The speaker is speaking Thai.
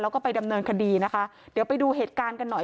แล้วก็ไปดำเนินคดีนะคะเดี๋ยวไปดูเหตุการณ์กันหน่อย